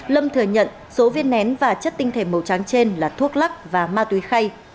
lâm thừa nhận số viên nén và chất tinh thể màu trắng trên là thuốc lắc và ma túy khay